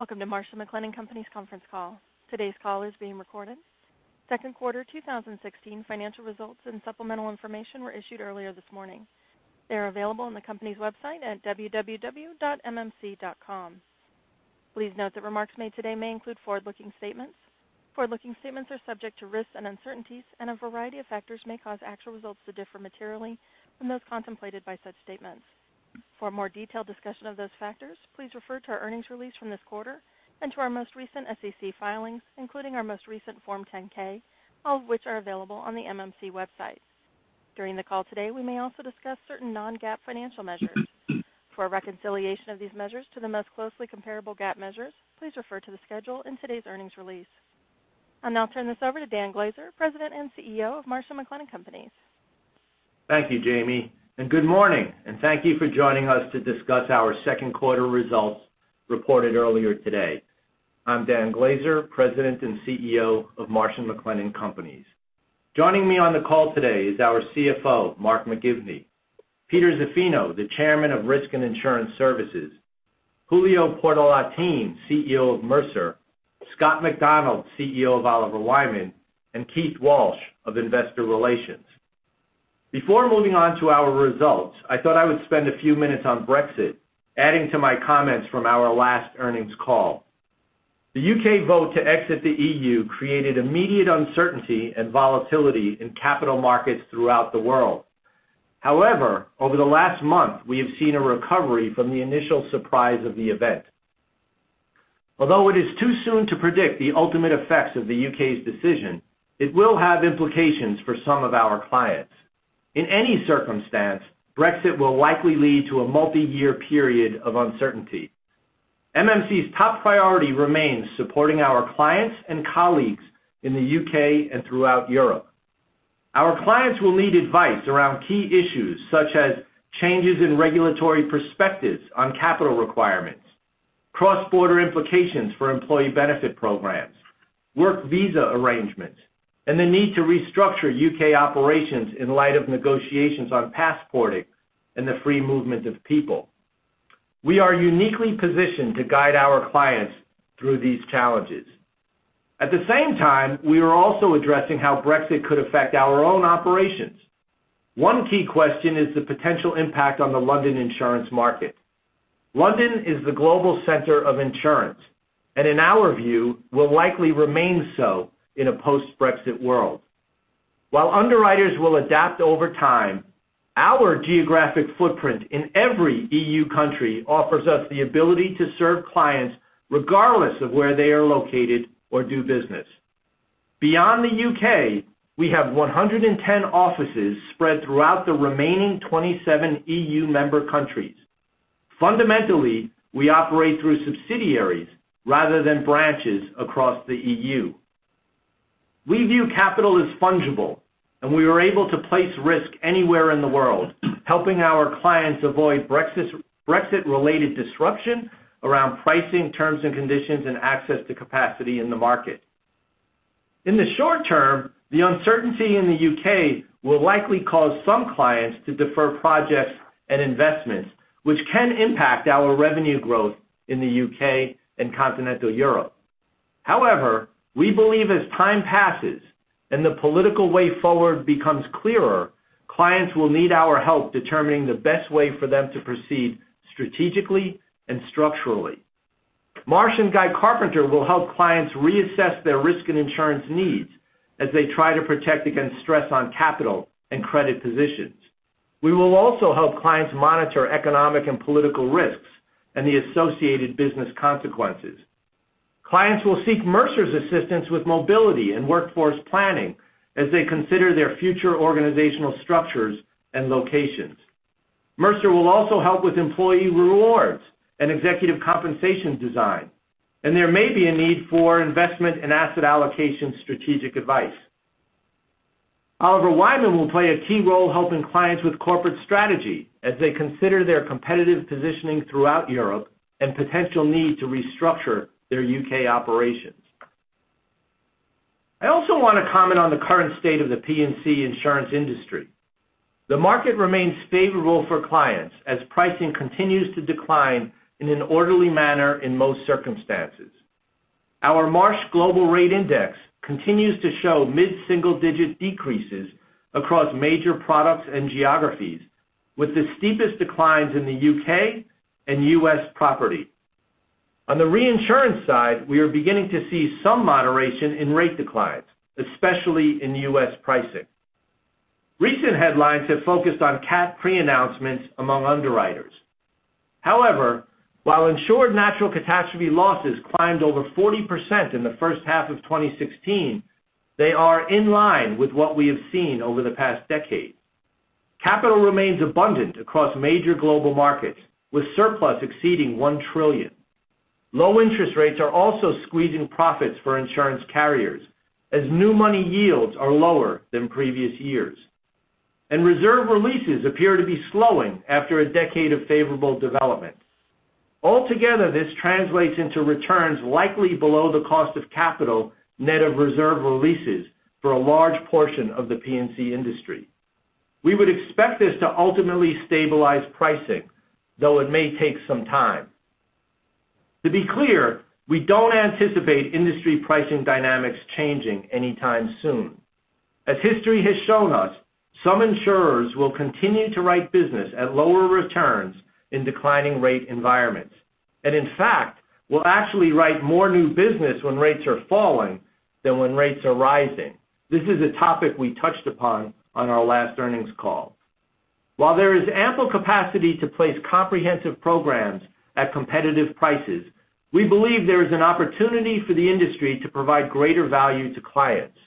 Welcome to Marsh & McLennan Companies conference call. Today's call is being recorded. Second quarter 2016 financial results and supplemental information were issued earlier this morning. They are available on the company's website at www.mmc.com. Please note that remarks made today may include forward-looking statements. Forward-looking statements are subject to risks and uncertainties, and a variety of factors may cause actual results to differ materially from those contemplated by such statements. For a more detailed discussion of those factors, please refer to our earnings release from this quarter and to our most recent SEC filings, including our most recent Form 10-K, all of which are available on the MMC website. During the call today, we may also discuss certain non-GAAP financial measures. For a reconciliation of these measures to the most closely comparable GAAP measures, please refer to the schedule in today's earnings release. I'll now turn this over to Dan Glaser, President and CEO of Marsh & McLennan Companies. Thank you, Jamie. Good morning, and thank you for joining us to discuss our second quarter results reported earlier today. I'm Dan Glaser, President and CEO of Marsh & McLennan Companies. Joining me on the call today is our CFO, Mark McGivney, Peter Zaffino, the Chairman of Risk and Insurance Services, Julio Portalatin, CEO of Mercer, Scott McDonald, CEO of Oliver Wyman, and Keith Walsh of Investor Relations. Before moving on to our results, I thought I would spend a few minutes on Brexit, adding to my comments from our last earnings call. The U.K. vote to exit the EU created immediate uncertainty and volatility in capital markets throughout the world. However, over the last month, we have seen a recovery from the initial surprise of the event. Although it is too soon to predict the ultimate effects of the U.K.'s decision, it will have implications for some of our clients. In any circumstance, Brexit will likely lead to a multi-year period of uncertainty. MMC's top priority remains supporting our clients and colleagues in the U.K. and throughout Europe. Our clients will need advice around key issues such as changes in regulatory perspectives on capital requirements, cross-border implications for employee benefit programs, work visa arrangements, and the need to restructure U.K. operations in light of negotiations on passporting and the free movement of people. We are uniquely positioned to guide our clients through these challenges. At the same time, we are also addressing how Brexit could affect our own operations. One key question is the potential impact on the London insurance market. London is the global center of insurance. In our view, will likely remain so in a post-Brexit world. While underwriters will adapt over time, our geographic footprint in every EU country offers us the ability to serve clients regardless of where they are located or do business. Beyond the U.K., we have 110 offices spread throughout the remaining 27 EU member countries. Fundamentally, we operate through subsidiaries rather than branches across the EU. We view capital as fungible. We are able to place risk anywhere in the world, helping our clients avoid Brexit-related disruption around pricing, terms and conditions, and access to capacity in the market. In the short term, the uncertainty in the U.K. will likely cause some clients to defer projects and investments, which can impact our revenue growth in the U.K. and continental Europe. We believe as time passes and the political way forward becomes clearer, clients will need our help determining the best way for them to proceed strategically and structurally. Marsh & Guy Carpenter will help clients reassess their risk and insurance needs as they try to protect against stress on capital and credit positions. We will also help clients monitor economic and political risks and the associated business consequences. Clients will seek Mercer's assistance with mobility and workforce planning as they consider their future organizational structures and locations. Mercer will also help with employee rewards and executive compensation design. There may be a need for investment and asset allocation strategic advice. Oliver Wyman will play a key role helping clients with corporate strategy as they consider their competitive positioning throughout Europe and potential need to restructure their U.K. operations. I also want to comment on the current state of the P&C insurance industry. The market remains favorable for clients as pricing continues to decline in an orderly manner in most circumstances. Our Marsh Global Rate Index continues to show mid-single-digit decreases across major products and geographies, with the steepest declines in the U.K. and U.S. property. On the reinsurance side, we are beginning to see some moderation in rate declines, especially in U.S. pricing. Recent headlines have focused on cat pre-announcements among underwriters. While insured natural catastrophe losses climbed over 40% in the first half of 2016, they are in line with what we have seen over the past decade. Capital remains abundant across major global markets, with surplus exceeding $1 trillion. Low interest rates are also squeezing profits for insurance carriers as new money yields are lower than previous years. Reserve releases appear to be slowing after a decade of favorable developments. Altogether, this translates into returns likely below the cost of capital net of reserve releases for a large portion of the P&C industry. We would expect this to ultimately stabilize pricing, though it may take some time. To be clear, we don't anticipate industry pricing dynamics changing anytime soon. As history has shown us, some insurers will continue to write business at lower returns in declining rate environments. In fact, will actually write more new business when rates are falling than when rates are rising. This is a topic we touched upon on our last earnings call. While there is ample capacity to place comprehensive programs at competitive prices, we believe there is an opportunity for the industry to provide greater value to clients.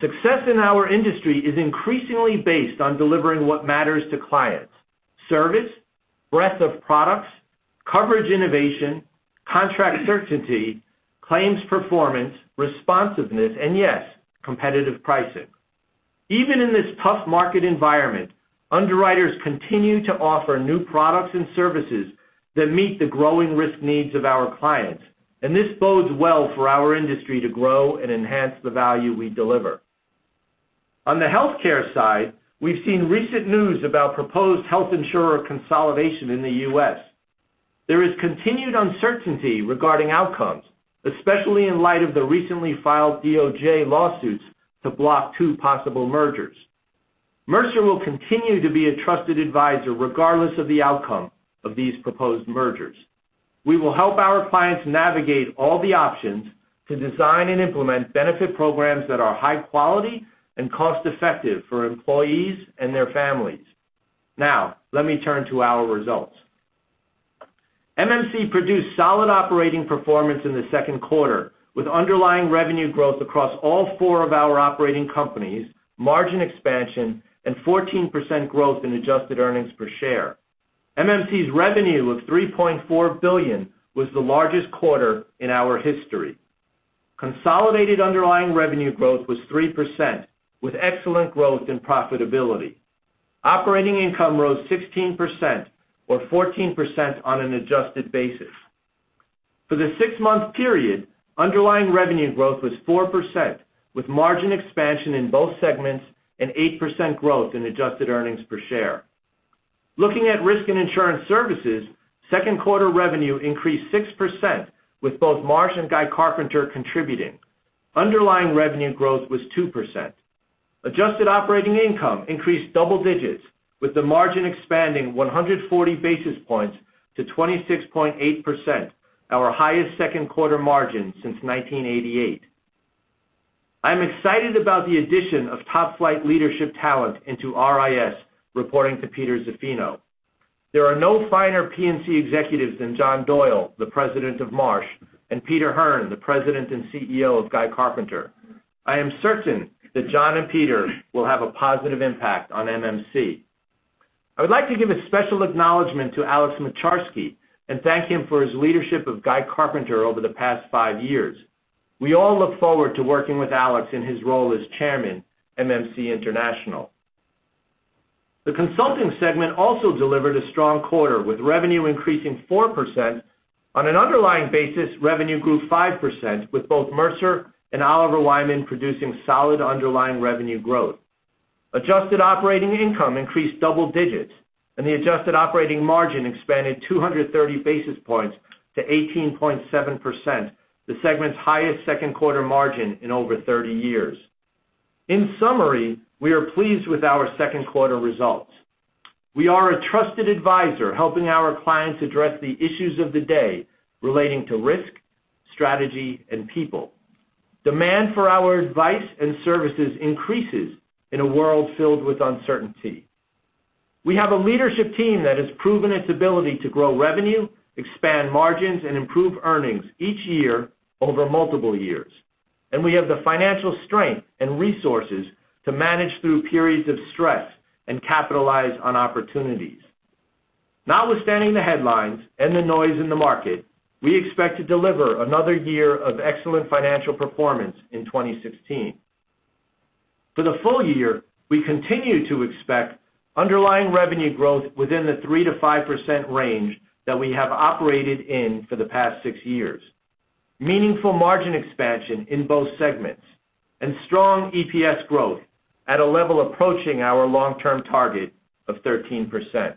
Success in our industry is increasingly based on delivering what matters to clients, service, breadth of products, coverage innovation, contract certainty, claims performance, responsiveness, and yes, competitive pricing. Even in this tough market environment, underwriters continue to offer new products and services that meet the growing risk needs of our clients. This bodes well for our industry to grow and enhance the value we deliver. On the healthcare side, we've seen recent news about proposed health insurer consolidation in the U.S. There is continued uncertainty regarding outcomes, especially in light of the recently filed DOJ lawsuits to block two possible mergers. Mercer will continue to be a trusted advisor regardless of the outcome of these proposed mergers. We will help our clients navigate all the options to design and implement benefit programs that are high quality and cost-effective for employees and their families. Let me turn to our results. MMC produced solid operating performance in the second quarter, with underlying revenue growth across all four of our operating companies, margin expansion, and 14% growth in adjusted earnings per share. MMC's revenue of $3.4 billion was the largest quarter in our history. Consolidated underlying revenue growth was 3%, with excellent growth and profitability. Operating income rose 16%, or 14% on an adjusted basis. For the six-month period, underlying revenue growth was 4%, with margin expansion in both segments and 8% growth in adjusted earnings per share. Looking at Risk and Insurance Services, second quarter revenue increased 6%, with both Marsh & Guy Carpenter contributing. Underlying revenue growth was 2%. Adjusted operating income increased double digits, with the margin expanding 140 basis points to 26.8%, our highest second quarter margin since 1988. I'm excited about the addition of top-flight leadership talent into RIS, reporting to Peter Zaffino. There are no finer P&C executives than John Doyle, the President of Marsh, and Peter Hearn, the President and CEO of Guy Carpenter. I am certain that John and Peter will have a positive impact on MMC. I would like to give a special acknowledgment to Alex Moczarski and thank him for his leadership of Guy Carpenter over the past five years. We all look forward to working with Alex in his role as Chairman, MMC International. The consulting segment also delivered a strong quarter, with revenue increasing 4%. On an underlying basis, revenue grew 5%, with both Mercer and Oliver Wyman producing solid underlying revenue growth. Adjusted operating income increased double digits, and the adjusted operating margin expanded 230 basis points to 18.7%, the segment's highest second quarter margin in over 30 years. In summary, we are pleased with our second quarter results. We are a trusted advisor, helping our clients address the issues of the day relating to risk, strategy, and people. Demand for our advice and services increases in a world filled with uncertainty. We have a leadership team that has proven its ability to grow revenue, expand margins, and improve earnings each year over multiple years. We have the financial strength and resources to manage through periods of stress and capitalize on opportunities. Notwithstanding the headlines and the noise in the market, we expect to deliver another year of excellent financial performance in 2016. For the full year, we continue to expect underlying revenue growth within the 3%-5% range that we have operated in for the past 6 years, meaningful margin expansion in both segments, and strong EPS growth at a level approaching our long-term target of 13%.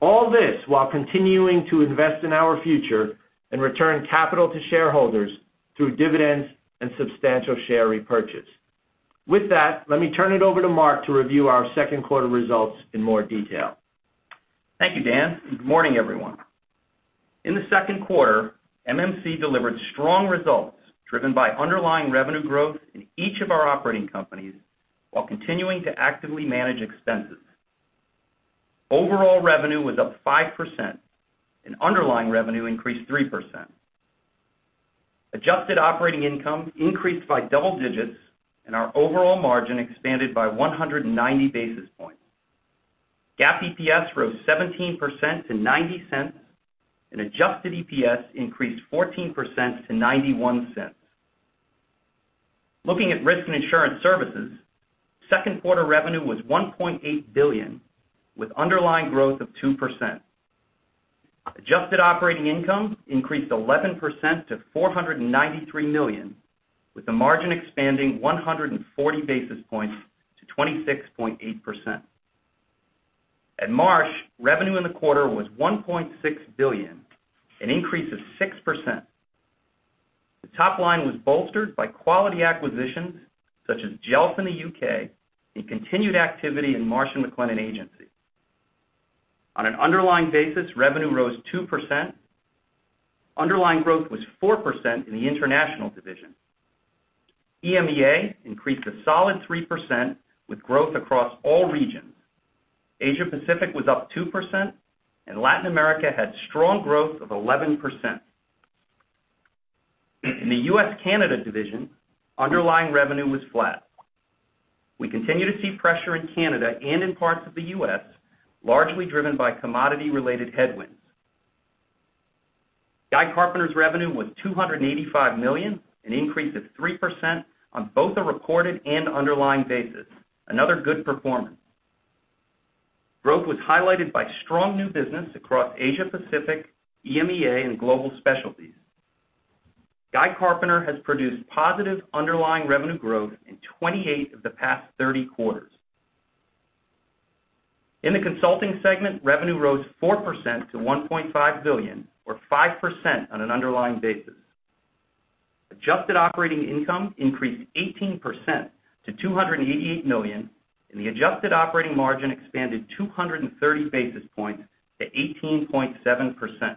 All this while continuing to invest in our future and return capital to shareholders through dividends and substantial share repurchase. With that, let me turn it over to Mark to review our second quarter results in more detail. Thank you, Dan. Good morning, everyone. In the second quarter, MMC delivered strong results driven by underlying revenue growth in each of our operating companies while continuing to actively manage expenses. Overall revenue was up 5%, and underlying revenue increased 3%. Adjusted operating income increased by double digits, and our overall margin expanded by 190 basis points. GAAP EPS rose 17% to $0.90, and adjusted EPS increased 14% to $0.91. Looking at Risk and Insurance Services, second quarter revenue was $1.8 billion, with underlying growth of 2%. Adjusted operating income increased 11% to $493 million, with the margin expanding 140 basis points to 26.8%. At Marsh, revenue in the quarter was $1.6 billion, an increase of 6%. The top line was bolstered by quality acquisitions such as Jelf in the U.K. and continued activity in Marsh McLennan Agency. On an underlying basis, revenue rose 2%. Underlying growth was 4% in the International division. EMEA increased a solid 3% with growth across all regions. Asia Pacific was up 2%. Latin America had strong growth of 11%. In the U.S./Canada division, underlying revenue was flat. We continue to see pressure in Canada and in parts of the U.S., largely driven by commodity-related headwinds. Guy Carpenter's revenue was $285 million, an increase of 3% on both a reported and underlying basis. Another good performance. Growth was highlighted by strong new business across Asia Pacific, EMEA, and global specialties. Guy Carpenter has produced positive underlying revenue growth in 28 of the past 30 quarters. In the consulting segment, revenue rose 4% to $1.5 billion or 5% on an underlying basis. Adjusted operating income increased 18% to $288 million, and the adjusted operating margin expanded 230 basis points to 18.7%.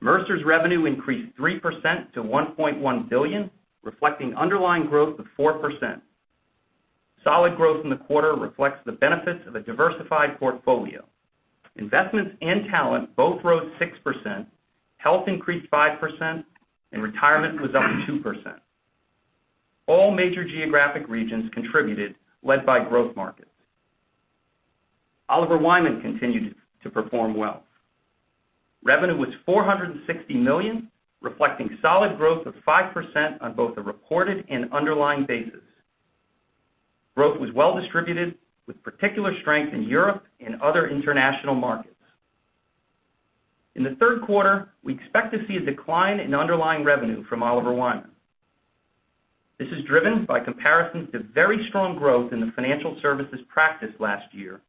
Mercer's revenue increased 3% to $1.1 billion, reflecting underlying growth of 4%. Solid growth in the quarter reflects the benefits of a diversified portfolio. Investments and talent both rose 6%, health increased 5%. Retirement was up 2%. All major geographic regions contributed, led by growth markets. Oliver Wyman continued to perform well. Revenue was $460 million, reflecting solid growth of 5% on both a reported and underlying basis. Growth was well distributed, with particular strength in Europe and other international markets. In the third quarter, we expect to see a decline in underlying revenue from Oliver Wyman. This is driven by comparisons to very strong growth in the financial services practice last year,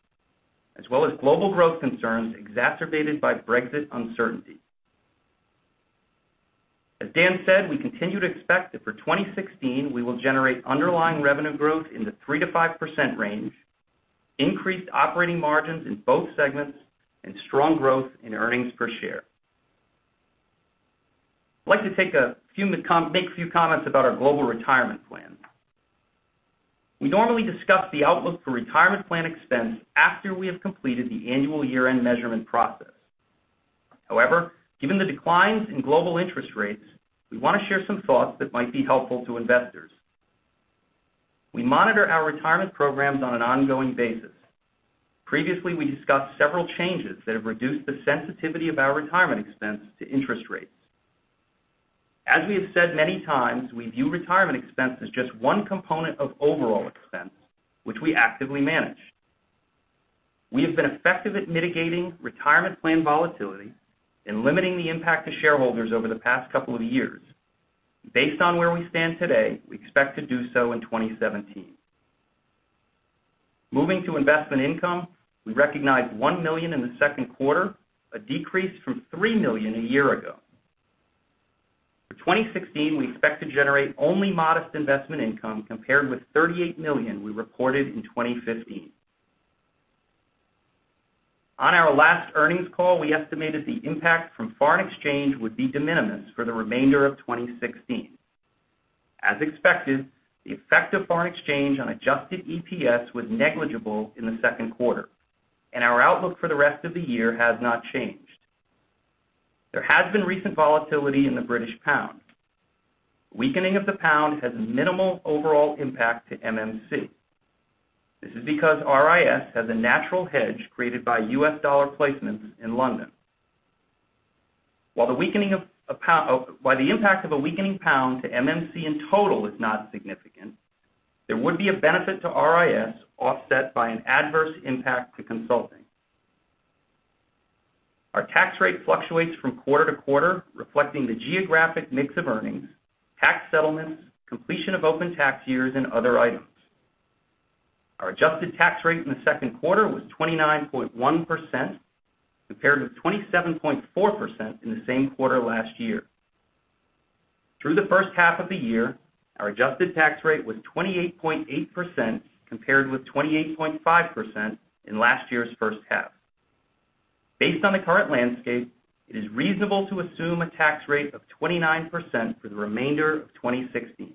as well as global growth concerns exacerbated by Brexit uncertainty. As Dan said, we continue to expect that for 2016, we will generate underlying revenue growth in the 3%-5% range, increased operating margins in both segments, and strong growth in earnings per share. I'd like to make few comments about our global retirement plan. We normally discuss the outlook for retirement plan expense after we have completed the annual year-end measurement process. However, given the declines in global interest rates, we want to share some thoughts that might be helpful to investors. We monitor our retirement programs on an ongoing basis. Previously, we discussed several changes that have reduced the sensitivity of our retirement expense to interest rates. As we have said many times, we view retirement expense as just one component of overall expense, which we actively manage. We have been effective at mitigating retirement plan volatility and limiting the impact to shareholders over the past couple of years. Based on where we stand today, we expect to do so in 2017. Moving to investment income, we recognized $1 million in the second quarter, a decrease from $3 million a year ago. For 2016, we expect to generate only modest investment income compared with $38 million we reported in 2015. On our last earnings call, we estimated the impact from foreign exchange would be de minimis for the remainder of 2016. As expected, the effect of foreign exchange on adjusted EPS was negligible in the second quarter, and our outlook for the rest of the year has not changed. There has been recent volatility in the British pound. Weakening of the pound has minimal overall impact to MMC. This is because RIS has a natural hedge created by U.S. dollar placements in London. While the impact of a weakening pound to MMC in total is not significant, there would be a benefit to RIS offset by an adverse impact to consulting. Our tax rate fluctuates from quarter to quarter, reflecting the geographic mix of earnings, tax settlements, completion of open tax years, and other items. Our adjusted tax rate in the second quarter was 29.1%, compared with 27.4% in the same quarter last year. Through the first half of the year, our adjusted tax rate was 28.8%, compared with 28.5% in last year's first half. Based on the current landscape, it is reasonable to assume a tax rate of 29% for the remainder of 2016.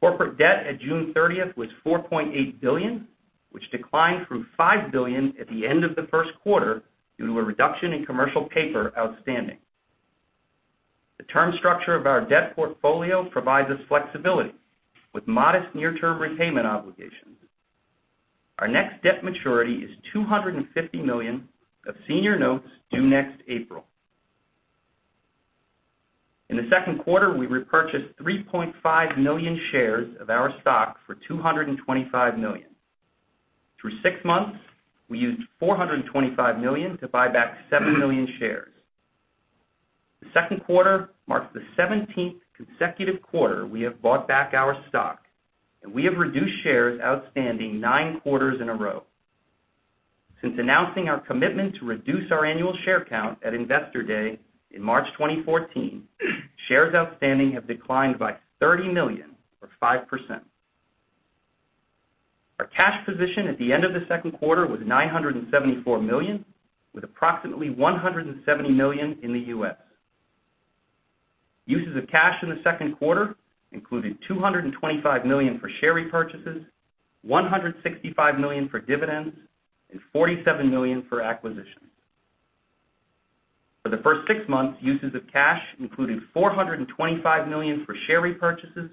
Corporate debt at June 30th was $4.8 billion, which declined from $5 billion at the end of the first quarter due to a reduction in commercial paper outstanding. The term structure of our debt portfolio provides us flexibility with modest near-term repayment obligations. Our next debt maturity is $250 million of senior notes due next April. In the second quarter, we repurchased 3.5 million shares of our stock for $225 million. Through six months, we used $425 million to buy back seven million shares. The second quarter marks the 17th consecutive quarter we have bought back our stock, and we have reduced shares outstanding nine quarters in a row. Since announcing our commitment to reduce our annual share count at Investor Day in March 2014, shares outstanding have declined by 30 million or 5%. Our cash position at the end of the second quarter was $974 million, with approximately $170 million in the U.S. Uses of cash in the second quarter included $225 million for share repurchases, $165 million for dividends, and $47 million for acquisitions. For the first six months, uses of cash included $425 million for share repurchases,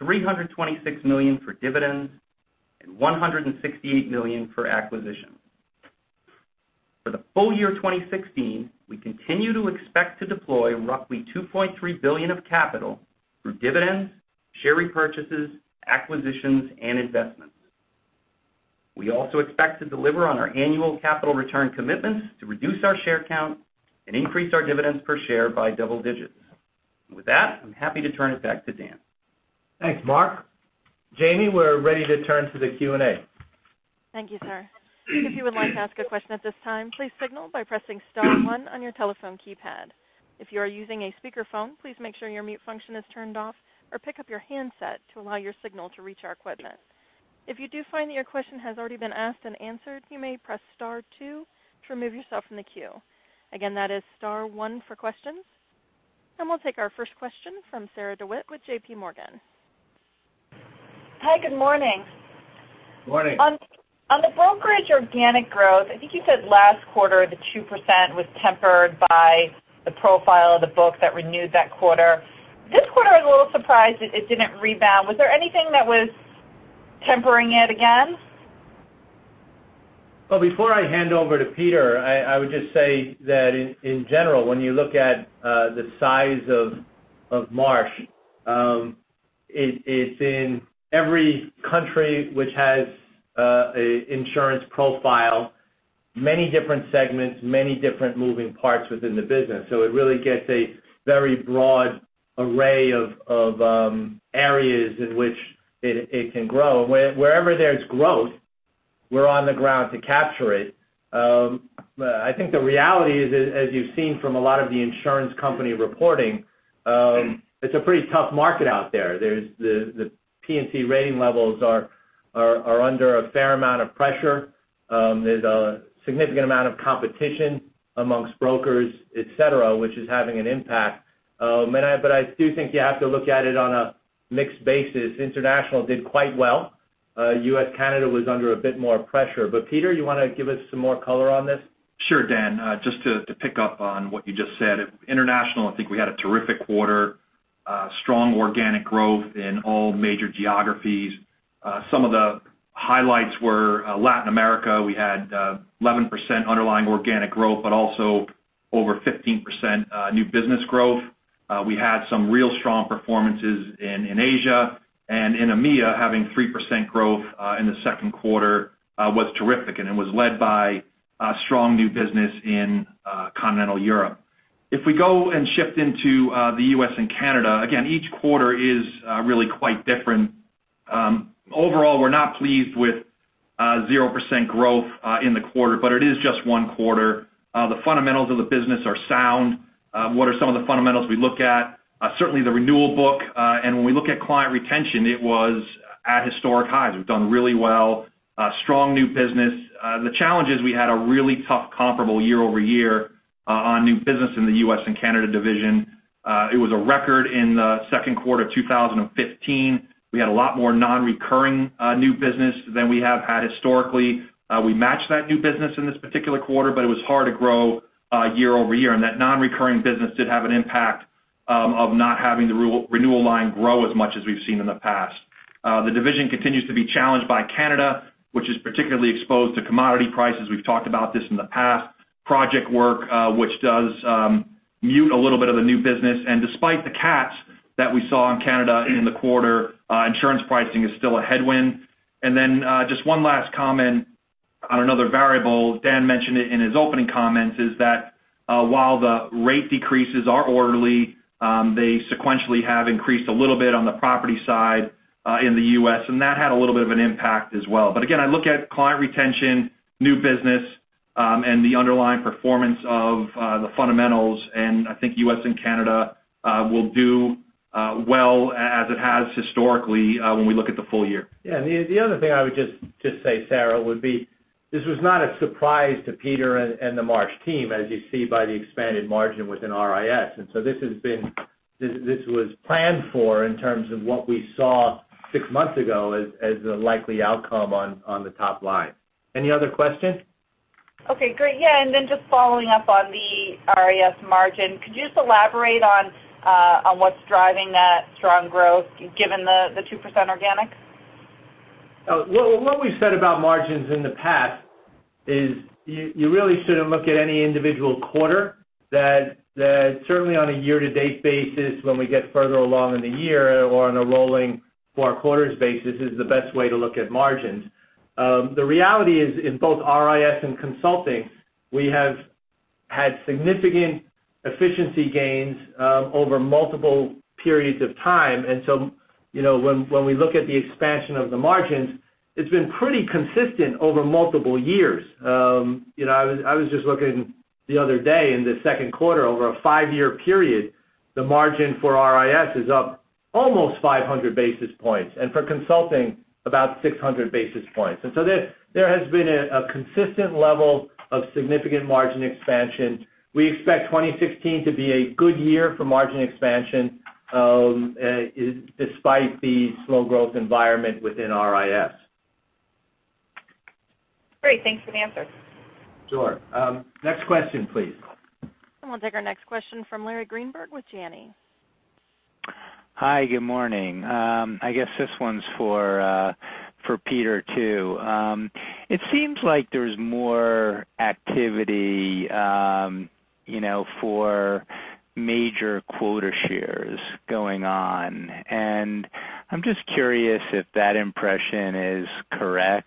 $326 million for dividends, and $168 million for acquisitions. For the full year 2016, we continue to expect to deploy roughly $2.3 billion of capital through dividends, share repurchases, acquisitions, and investments. We also expect to deliver on our annual capital return commitments to reduce our share count and increase our dividends per share by double digits. With that, I'm happy to turn it back to Dan. Thanks, Mark. Jamie, we're ready to turn to the Q&A. Thank you, sir. If you would like to ask a question at this time, please signal by pressing star one on your telephone keypad. If you are using a speakerphone, please make sure your mute function is turned off or pick up your handset to allow your signal to reach our equipment. If you do find that your question has already been asked and answered, you may press star two to remove yourself from the queue. Again, that is star one for questions. We'll take our first question from Sarah DeWitt with J.P. Morgan. Hi, good morning. Morning. On the brokerage organic growth, I think you said last quarter the 2% was tempered by the profile of the book that renewed that quarter. This quarter, I was a little surprised that it didn't rebound. Was there anything that was tempering it again? Well, before I hand over to Peter, I would just say that in general, when you look at the size of Marsh, it's in every country which has an insurance profile, many different segments, many different moving parts within the business. It really gets a very broad array of areas in which it can grow. Wherever there's growth, we're on the ground to capture it. I think the reality is, as you've seen from a lot of the insurance company reporting, it's a pretty tough market out there. The P&C rating levels are under a fair amount of pressure. There's a significant amount of competition amongst brokers, et cetera, which is having an impact. I do think you have to look at it on a mixed basis. International did quite well. U.S.-Canada was under a bit more pressure. Peter, you want to give us some more color on this? Sure, Dan. Just to pick up on what you just said. International, I think we had a terrific quarter. Strong organic growth in all major geographies. Some of the highlights were Latin America. We had 11% underlying organic growth, but also over 15% new business growth. We had some real strong performances in Asia. In EMEA, having 3% growth in the second quarter was terrific, and it was led by strong new business in continental Europe. If we go and shift into the U.S. and Canada, again, each quarter is really quite different. Overall, we're not pleased with 0% growth in the quarter, but it is just one quarter. The fundamentals of the business are sound. What are some of the fundamentals we look at? Certainly the renewal book. When we look at client retention, it was at historic highs. We've done really well. Strong new business. The challenge is we had a really tough comparable year-over-year on new business in the U.S. and Canada division. It was a record in the second quarter of 2015. We had a lot more non-recurring new business than we have had historically. We matched that new business in this particular quarter, but it was hard to grow year-over-year, and that non-recurring business did have an impact of not having the renewal line grow as much as we've seen in the past. The division continues to be challenged by Canada, which is particularly exposed to commodity prices. We've talked about this in the past. Project work, which does mute a little bit of the new business. Despite the CATs that we saw in Canada in the quarter, insurance pricing is still a headwind. Then just one last comment on another variable, Dan mentioned it in his opening comments, is that while the rate decreases are orderly, they sequentially have increased a little bit on the property side in the U.S., and that had a little bit of an impact as well. Again, I look at client retention, new business, and the underlying performance of the fundamentals, and I think U.S. and Canada will do well as it has historically when we look at the full year. Yeah. The other thing I would just say, Sarah, would be, this was not a surprise to Peter and the Marsh team, as you see by the expanded margin within RIS. This was planned for in terms of what we saw six months ago as the likely outcome on the top line. Any other questions? Okay, great. Yeah, then just following up on the RIS margin. Could you just elaborate on what's driving that strong growth given the 2% organic? What we've said about margins in the past is you really shouldn't look at any individual quarter, that certainly on a year-to-date basis, when we get further along in the year or on a rolling four quarters basis is the best way to look at margins. The reality is, in both RIS and consulting, we have had significant efficiency gains over multiple periods of time. When we look at the expansion of the margins, it's been pretty consistent over multiple years. I was just looking the other day in the second quarter over a five-year period, the margin for RIS is up almost 500 basis points, and for consulting, about 600 basis points. There has been a consistent level of significant margin expansion. We expect 2016 to be a good year for margin expansion despite the slow growth environment within RIS. Great. Thanks for the answer. Sure. Next question, please. We'll take our next question from Larry Greenberg with Janney. Hi, good morning. I guess this one's for Peter, too. It seems like there's more activity for major quota shares going on. I'm just curious if that impression is correct.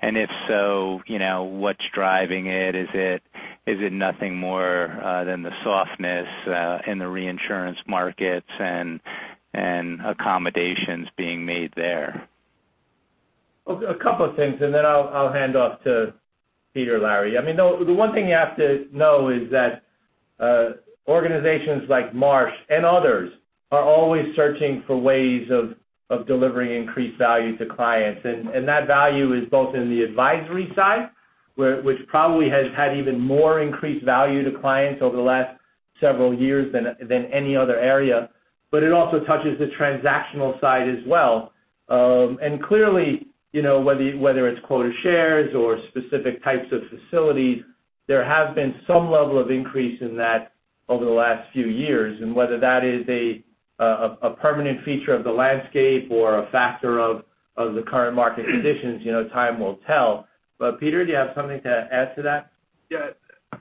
If so, what's driving it? Is it nothing more than the softness in the reinsurance markets and accommodations being made there? A couple of things, then I'll hand off to Peter, Larry. The one thing you have to know is that organizations like Marsh and others are always searching for ways of delivering increased value to clients. That value is both in the advisory side, which probably has had even more increased value to clients over the last several years than any other area. It also touches the transactional side as well. Clearly, whether it's quota shares or specific types of facilities, there have been some level of increase in that over the last few years, and whether that is a permanent feature of the landscape or a factor of the current market conditions, time will tell. Peter, do you have something to add to that? Yeah.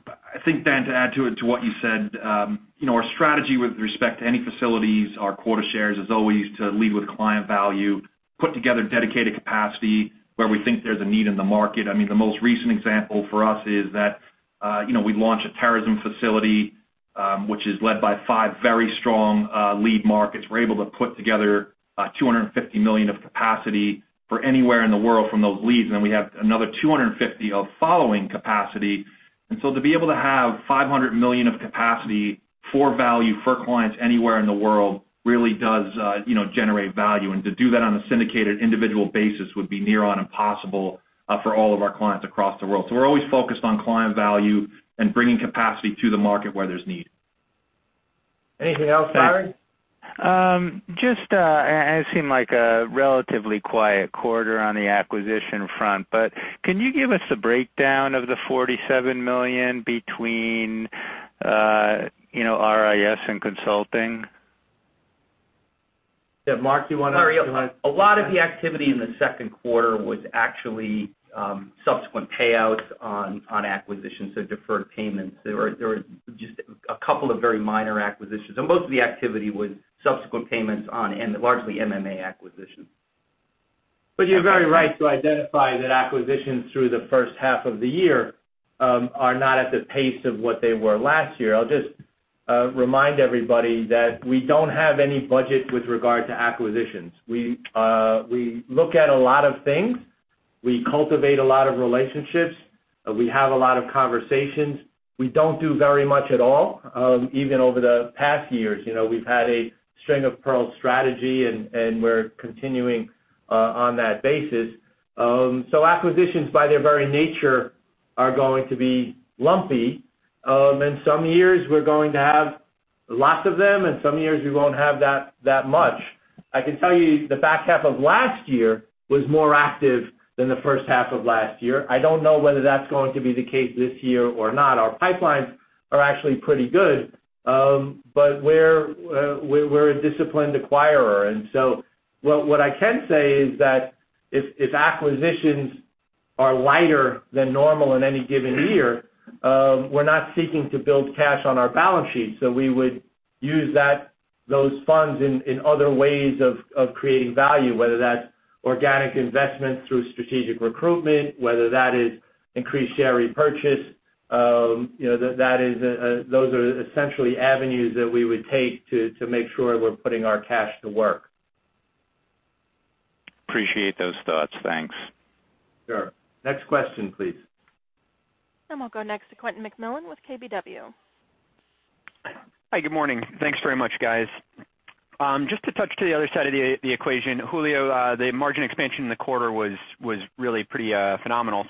I think, Dan, to add to what you said, our strategy with respect to any facilities, our quota shares is always to lead with client value, put together dedicated capacity where we think there's a need in the market. The most recent example for us is that we launched a terrorism facility, which is led by five very strong lead markets. We're able to put together $250 million of capacity for anywhere in the world from those leads. We have another $250 of following capacity. To be able to have $500 million of capacity for value for clients anywhere in the world really does generate value. To do that on a syndicated individual basis would be near on impossible for all of our clients across the world. We're always focused on client value and bringing capacity to the market where there's need. Anything else, Larry? It seemed like a relatively quiet quarter on the acquisition front, but can you give us the breakdown of the $47 million between RIS and consulting? Yeah, Mark, you want to- Larry, a lot of the activity in the second quarter was actually subsequent payouts on acquisitions, so deferred payments. There were just a couple of very minor acquisitions, and most of the activity was subsequent payments on, and largely MMA acquisitions. You're very right to identify that acquisitions through the first half of the year are not at the pace of what they were last year. I'll just remind everybody that we don't have any budget with regard to acquisitions. We look at a lot of things. We cultivate a lot of relationships. We have a lot of conversations. We don't do very much at all, even over the past years. We've had a string of pearl strategy, and we're continuing on that basis. Acquisitions, by their very nature, are going to be lumpy. In some years, we're going to have lots of them, and some years we won't have that much. I can tell you the back half of last year was more active than the first half of last year. I don't know whether that's going to be the case this year or not. Our pipelines are actually pretty good. We're a disciplined acquirer. What I can say is that if acquisitions are lighter than normal in any given year, we're not seeking to build cash on our balance sheet. We would use those funds in other ways of creating value, whether that's organic investment through strategic recruitment, whether that is increased share repurchase. Those are essentially avenues that we would take to make sure we're putting our cash to work. Appreciate those thoughts. Thanks. Sure. Next question, please. We'll go next to Quentin McMillan with KBW. Hi, good morning. Thanks very much, guys. Just to touch to the other side of the equation, Julio, the margin expansion in the quarter was really pretty phenomenal.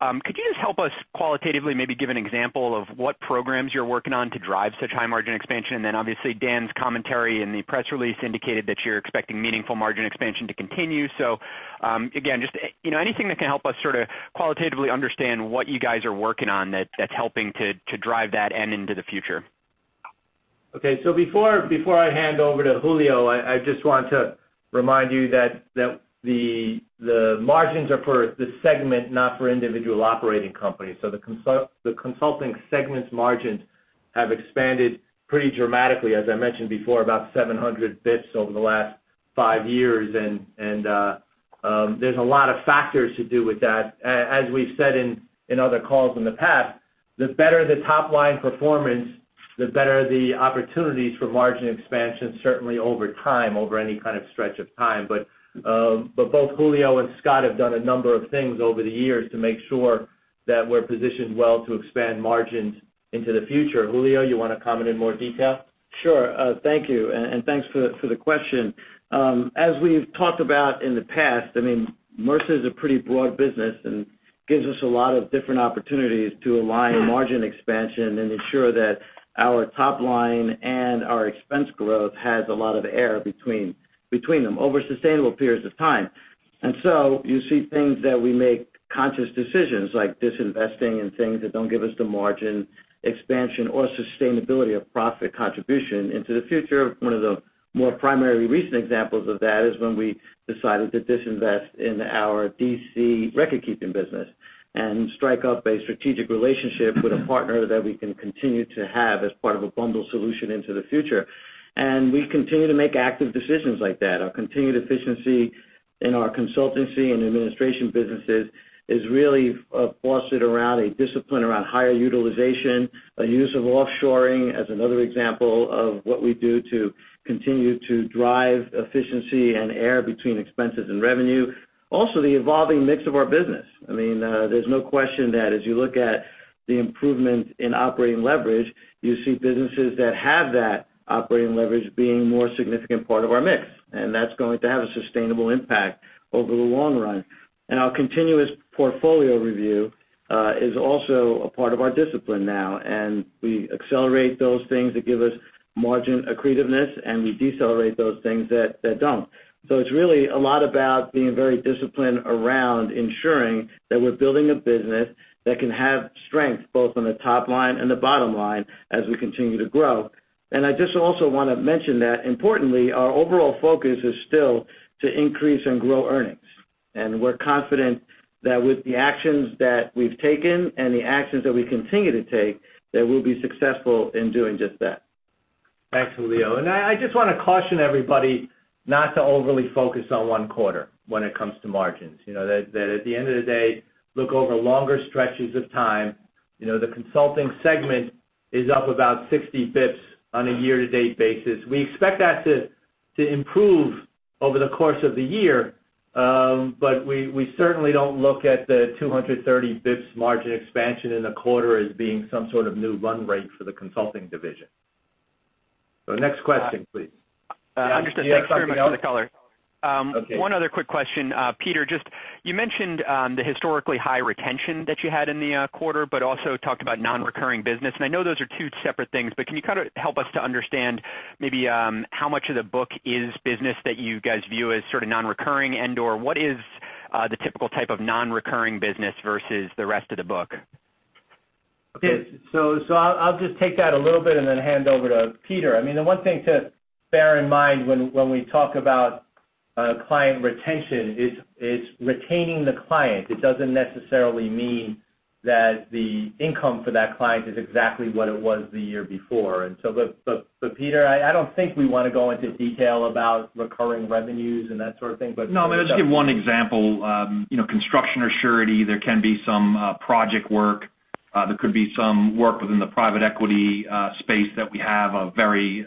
Could you just help us qualitatively, maybe give an example of what programs you're working on to drive such high margin expansion? Obviously Dan's commentary in the press release indicated that you're expecting meaningful margin expansion to continue. Again, just anything that can help us sort of qualitatively understand what you guys are working on that's helping to drive that and into the future. Before I hand over to Julio, I just want to remind you that the margins are for the segment, not for individual operating companies. The consulting segment's margins have expanded pretty dramatically, as I mentioned before, about 700 basis points over the last 5 years, and there's a lot of factors to do with that. As we've said in other calls in the past, the better the top-line performance, the better the opportunities for margin expansion, certainly over time, over any kind of stretch of time. Both Julio and Scott have done a number of things over the years to make sure that we're positioned well to expand margins into the future. Julio, you want to comment in more detail? Sure. Thank you, and thanks for the question. As we've talked about in the past, Mercer is a pretty broad business and gives us a lot of different opportunities to align margin expansion and ensure that our top line and our expense growth has a lot of air between them over sustainable periods of time. You see things that we make conscious decisions, like disinvesting in things that don't give us the margin expansion or sustainability of profit contribution into the future. One of the more primary recent examples of that is when we decided to disinvest in our DC record-keeping business and strike up a strategic relationship with a partner that we can continue to have as part of a bundled solution into the future. We continue to make active decisions like that. Our continued efficiency in our consultancy and administration businesses is really fostered around a discipline around higher utilization, a use of offshoring as another example of what we do to continue to drive efficiency and air between expenses and revenue. The evolving mix of our business. There's no question that as you look at the improvement in operating leverage, you see businesses that have that operating leverage being more significant part of our mix, and that's going to have a sustainable impact over the long run. Our continuous portfolio review is also a part of our discipline now, and we accelerate those things that give us margin accretiveness, and we decelerate those things that don't. It's really a lot about being very disciplined around ensuring that we're building a business that can have strength both on the top line and the bottom line as we continue to grow. I just also want to mention that importantly, our overall focus is still to increase and grow earnings. We're confident that with the actions that we've taken and the actions that we continue to take, that we'll be successful in doing just that. Thanks, Julio. I just want to caution everybody not to overly focus on one quarter when it comes to margins. At the end of the day, look over longer stretches of time. The consulting segment is up about 60 basis points on a year-to-date basis. We expect that to improve over the course of the year. We certainly don't look at the 230 basis points margin expansion in a quarter as being some sort of new run rate for the consulting division. Next question, please. Understood. Thanks very much for the color. Okay. One other quick question. Peter, just you mentioned the historically high retention that you had in the quarter, also talked about non-recurring business. I know those are two separate things, can you kind of help us to understand maybe how much of the book is business that you guys view as sort of non-recurring and/or what is the typical type of non-recurring business versus the rest of the book? Okay, I'll just take that a little bit and then hand over to Peter. The one thing to bear in mind when we talk about client retention is it's retaining the client. It doesn't necessarily mean that the income for that client is exactly what it was the year before. Peter, I don't think we want to go into detail about recurring revenues and that sort of thing. No, I'll just give one example. Construction or surety, there can be some project work. There could be some work within the private equity space that we have a very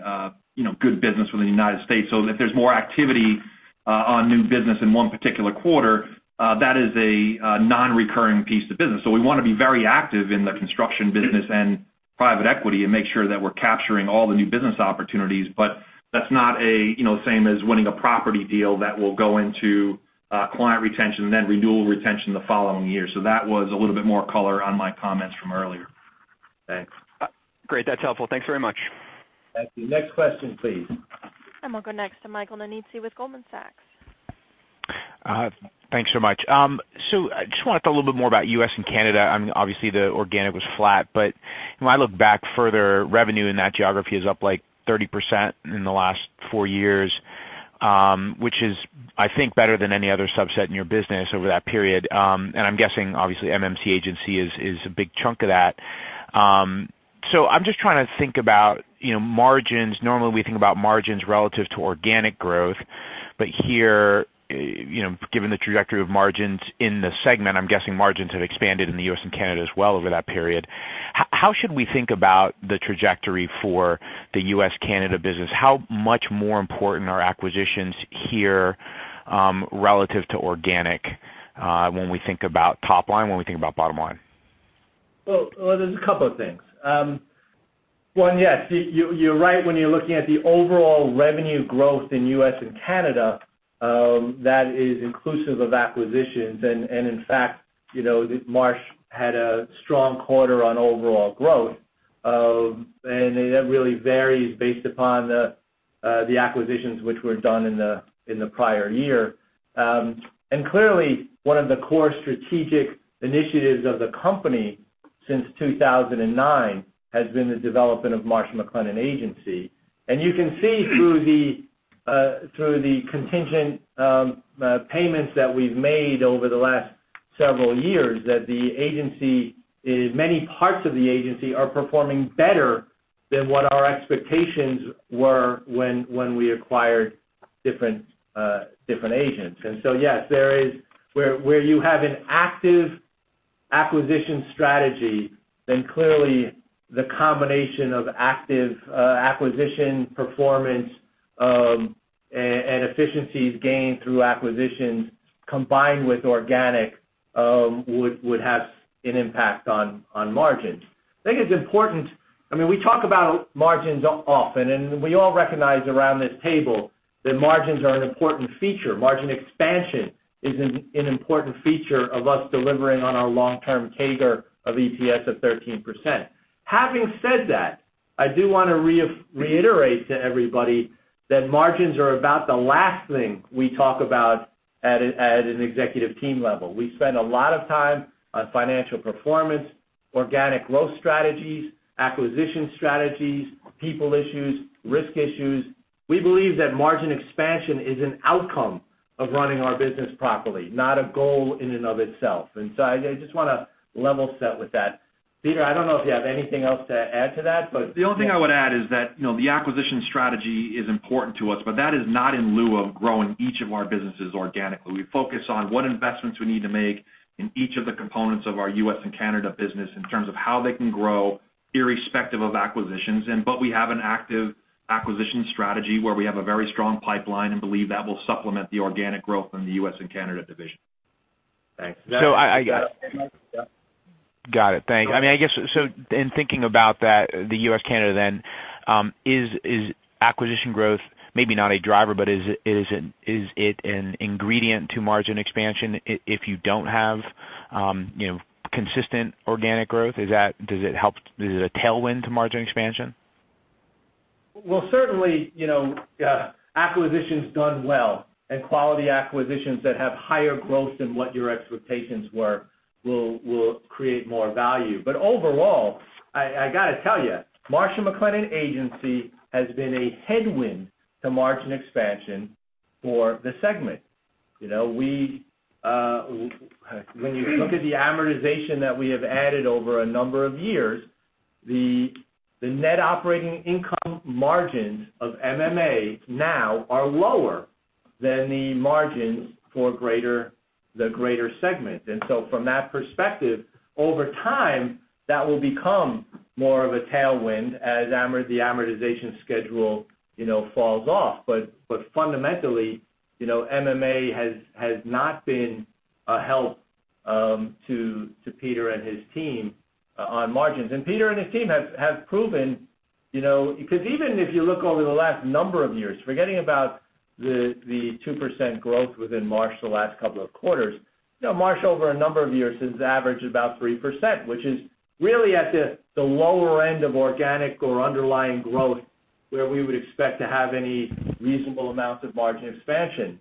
good business within the U.S. If there's more activity on new business in one particular quarter, that is a non-recurring piece of business. We want to be very active in the construction business and private equity and make sure that we're capturing all the new business opportunities. That's not the same as winning a property deal that will go into client retention, then renewal retention the following year. That was a little bit more color on my comments from earlier. Thanks. Great. That's helpful. Thanks very much. Thank you. Next question, please. We'll go next to Michael Nannizzi with Goldman Sachs. Thanks so much. I just want to talk a little bit more about U.S. and Canada. Obviously, the organic was flat, but when I look back further, revenue in that geography is up like 30% in the last four years, which is, I think, better than any other subset in your business over that period. I'm guessing, obviously MMC Agency is a big chunk of that. I'm just trying to think about margins. Normally, we think about margins relative to organic growth. But here, given the trajectory of margins in the segment, I'm guessing margins have expanded in the U.S. and Canada as well over that period. How should we think about the trajectory for the U.S., Canada business? How much more important are acquisitions here, relative to organic, when we think about top line, when we think about bottom line? Well, there's a couple of things. One, yes, you're right when you're looking at the overall revenue growth in U.S. and Canada, that is inclusive of acquisitions. In fact, Marsh had a strong quarter on overall growth. That really varies based upon the acquisitions which were done in the prior year. Clearly one of the core strategic initiatives of the company since 2009 has been the development of Marsh McLennan Agency. You can see through the contingent payments that we've made over the last several years, that many parts of the Agency are performing better than what our expectations were when we acquired different agents. So yes, where you have an active acquisition strategy, then clearly the combination of active acquisition performance, and efficiencies gained through acquisitions combined with organic would have an impact on margins. I think it's important, we talk about margins often, we all recognize around this table that margins are an important feature. Margin expansion is an important feature of us delivering on our long-term CAGR of EPS of 13%. Having said that, I do want to reiterate to everybody that margins are about the last thing we talk about at an executive team level. We spend a lot of time on financial performance, organic growth strategies, acquisition strategies, people issues, risk issues. We believe that margin expansion is an outcome of running our business properly, not a goal in and of itself. I just want to level set with that. Peter, I don't know if you have anything else to add to that. The only thing I would add is that the acquisition strategy is important to us, that is not in lieu of growing each of our businesses organically. We focus on what investments we need to make in each of the components of our U.S. and Canada business in terms of how they can grow irrespective of acquisitions. We have an active acquisition strategy where we have a very strong pipeline and believe that will supplement the organic growth in the U.S. and Canada division. Thanks. So I- Yeah. Got it. Thanks. I guess, in thinking about that, the U.S., Canada then, is acquisition growth maybe not a driver, but is it an ingredient to margin expansion if you don't have consistent organic growth? Is it a tailwind to margin expansion? Well, certainly, acquisitions done well and quality acquisitions that have higher growth than what your expectations were will create more value. Overall, I got to tell you, Marsh & McLennan Agency has been a headwind to margin expansion for the segment. When you look at the amortization that we have added over a number of years, the net operating income margins of MMA now are lower than the margins for the greater segment. From that perspective, over time, that will become more of a tailwind as the amortization schedule falls off. Fundamentally, MMA has not been a help to Peter and his team on margins. Peter and his team have proven, because even if you look over the last number of years, forgetting about the 2% growth within Marsh the last couple of quarters, Marsh over a number of years has averaged about 3%, which is really at the lower end of organic or underlying growth, where we would expect to have any reasonable amounts of margin expansion.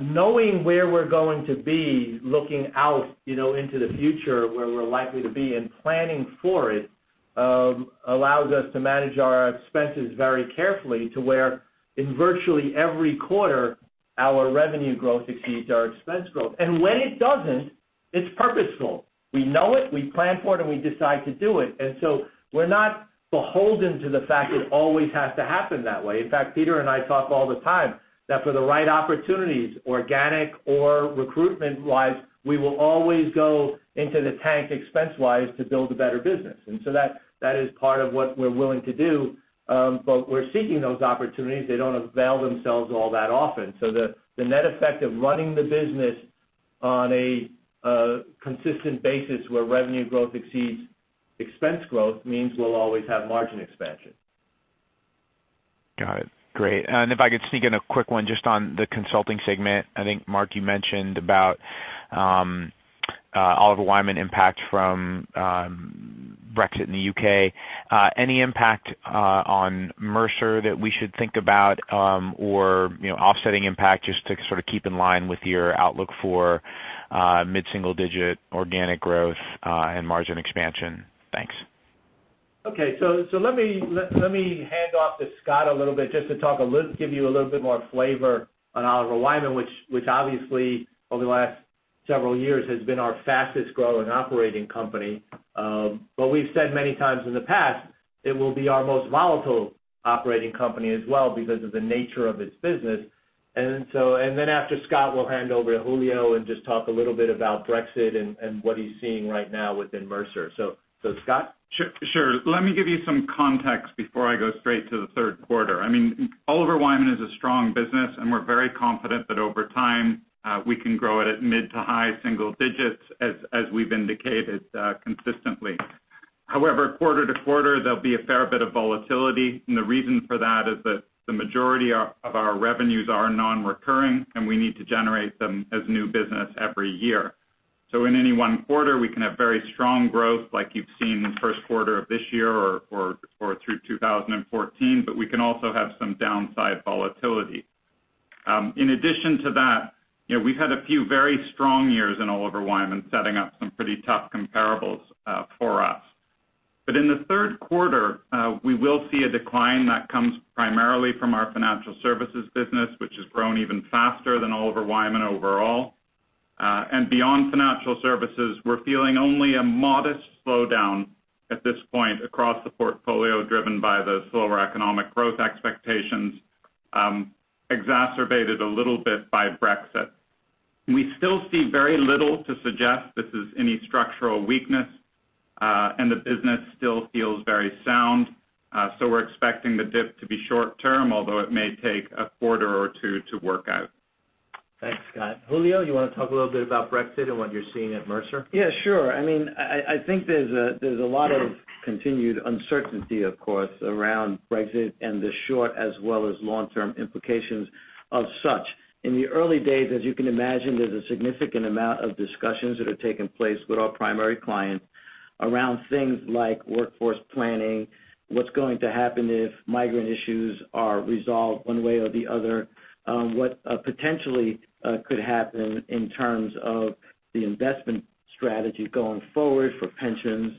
Knowing where we're going to be, looking out into the future, where we're likely to be and planning for it, allows us to manage our expenses very carefully to where in virtually every quarter, our revenue growth exceeds our expense growth. When it doesn't, it's purposeful. We know it, we plan for it, and we decide to do it. We're not beholden to the fact it always has to happen that way. In fact, Peter and I talk all the time that for the right opportunities, organic or recruitment-wise, we will always go into the tank expense-wise to build a better business. That is part of what we're willing to do. We're seeking those opportunities. They don't avail themselves all that often. The net effect of running the business on a consistent basis where revenue growth exceeds expense growth means we'll always have margin expansion. Got it. Great. If I could sneak in a quick one just on the consulting segment. I think, Mark, you mentioned about Oliver Wyman impact from Brexit in the U.K. Any impact on Mercer that we should think about or offsetting impact just to sort of keep in line with your outlook for mid-single-digit organic growth, and margin expansion? Thanks. Okay. Let me hand off to Scott a little bit just to give you a little bit more flavor on Oliver Wyman, which obviously over the last several years has been our fastest growing operating company. We've said many times in the past it will be our most volatile operating company as well because of the nature of its business. After Scott, we'll hand over to Julio and just talk a little bit about Brexit and what he's seeing right now within Mercer. Scott? Sure. Let me give you some context before I go straight to the third quarter. Oliver Wyman is a strong business, and we're very confident that over time, we can grow it at mid to high single digits as we've indicated consistently. However, quarter to quarter, there'll be a fair bit of volatility, and the reason for that is that the majority of our revenues are non-recurring, and we need to generate them as new business every year. In any one quarter, we can have very strong growth like you've seen in the first quarter of this year or through 2014, we can also have some downside volatility. In addition to that, we've had a few very strong years in Oliver Wyman, setting up some pretty tough comparables for us. In the third quarter, we will see a decline that comes primarily from our financial services business, which has grown even faster than Oliver Wyman overall. Beyond financial services, we're feeling only a modest slowdown at this point across the portfolio, driven by the slower economic growth expectations, exacerbated a little bit by Brexit. We still see very little to suggest this is any structural weakness, the business still feels very sound. We're expecting the dip to be short-term, although it may take a quarter or two to work out. Thanks, Scott. Julio, you want to talk a little bit about Brexit and what you're seeing at Mercer? Yeah, sure. I think there's a lot of continued uncertainty, of course, around Brexit and the short as well as long-term implications of such. In the early days, as you can imagine, there's a significant amount of discussions that have taken place with our primary clients around things like workforce planning, what's going to happen if migrant issues are resolved one way or the other, what potentially could happen in terms of the investment strategy going forward for pensions,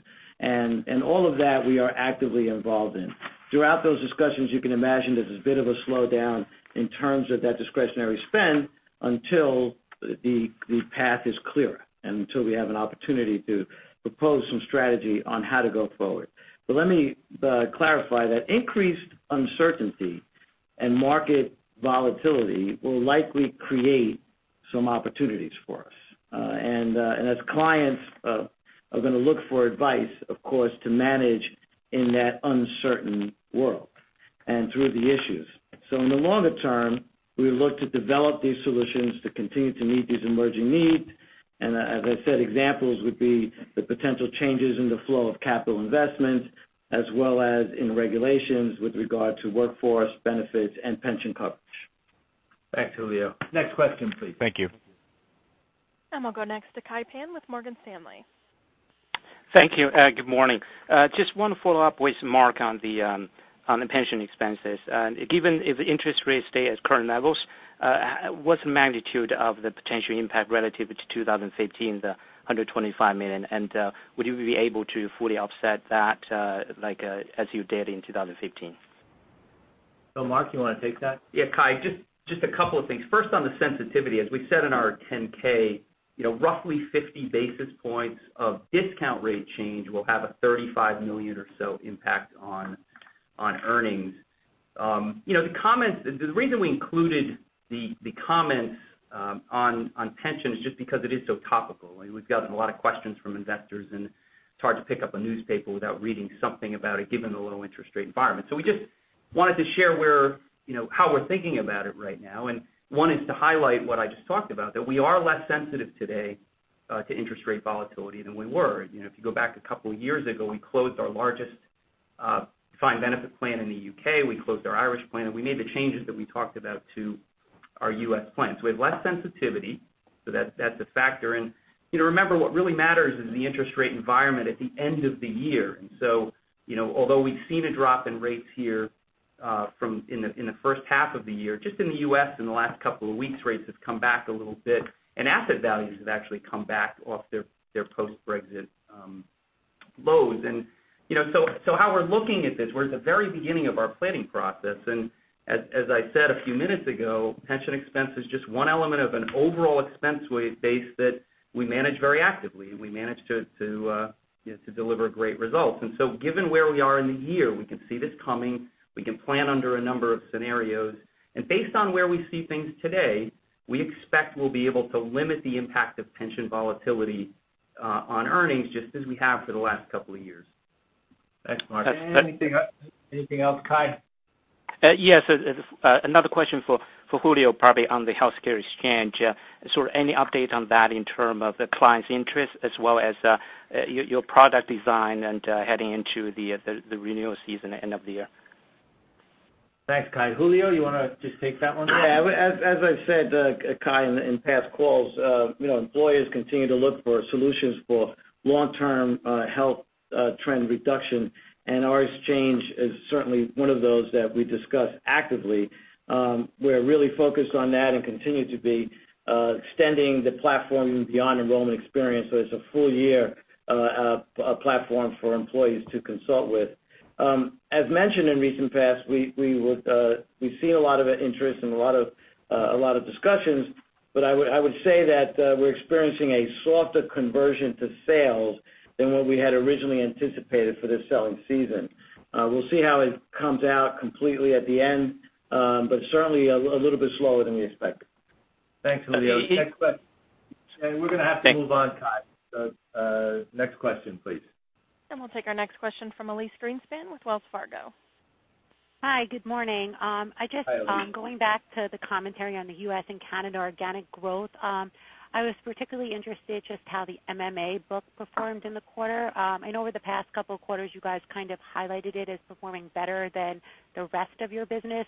all of that we are actively involved in. Throughout those discussions, you can imagine there's a bit of a slowdown in terms of that discretionary spend until the path is clearer and until we have an opportunity to propose some strategy on how to go forward. Let me clarify that increased uncertainty and market volatility will likely create some opportunities for us. As clients are going to look for advice, of course, to manage in that uncertain world and through the issues. In the longer term, we look to develop these solutions to continue to meet these emerging needs. As I said, examples would be the potential changes in the flow of capital investments as well as in regulations with regard to workforce benefits and pension coverage. Thanks, Julio. Next question, please. Thank you. We'll go next to Kai Pan with Morgan Stanley. Thank you. Good morning. Just one follow-up with Mark on the pension expenses. Given if interest rates stay at current levels, what's the magnitude of the potential impact relative to 2015, the $125 million? Would you be able to fully offset that as you did in 2015? Mark, you want to take that? Yeah, Kai, just a couple of things. First, on the sensitivity, as we said in our 10-K, roughly 50 basis points of discount rate change will have a $35 million or so impact on earnings. The reason we included the comments on pension is just because it is so topical, and we've gotten a lot of questions from investors, and it's hard to pick up a newspaper without reading something about it, given the low interest rate environment. We just wanted to share how we're thinking about it right now and wanted to highlight what I just talked about, that we are less sensitive today to interest rate volatility than we were. If you go back a couple of years ago, we closed our largest defined benefit plan in the U.K. We closed our Irish plan, and we made the changes that we talked about to our U.S. plans. We have less sensitivity. That's a factor. Remember, what really matters is the interest rate environment at the end of the year. Although we've seen a drop in rates here in the first half of the year, just in the U.S. in the last couple of weeks, rates have come back a little bit, and asset values have actually come back off their post-Brexit lows. How we're looking at this, we're at the very beginning of our planning process, and as I said a few minutes ago, pension expense is just one element of an overall expense base that we manage very actively, and we manage to deliver great results. Given where we are in the year, we can see this coming. We can plan under a number of scenarios. Based on where we see things today, we expect we'll be able to limit the impact of pension volatility on earnings, just as we have for the last couple of years. Thanks, Mark. Anything else, Kai? Yes. Another question for Julio, probably on the health care exchange. Any update on that in terms of the client's interest as well as your product design and heading into the renewal season end of the year? Thanks, Kai. Julio, you want to just take that one? Yeah. As I've said, Kai, in past calls, employers continue to look for solutions for long-term health trend reduction. Our exchange is certainly one of those that we discuss actively. We're really focused on that and continue to be extending the platform beyond enrollment experience so it's a full-year platform for employees to consult with. As mentioned in recent past, we've seen a lot of interest and a lot of discussions. I would say that we're experiencing a softer conversion to sales than what we had originally anticipated for this selling season. We'll see how it comes out completely at the end. Certainly a little bit slower than we expected. Thanks, Julio. We're going to have to move on, Kai. Next question, please. We'll take our next question from Elyse Greenspan with Wells Fargo. Hi, good morning. Hi, Elyse. Just going back to the commentary on the U.S. and Canada organic growth. I was particularly interested just how the MMA book performed in the quarter. I know over the past couple of quarters, you guys kind of highlighted it as performing better than the rest of your business.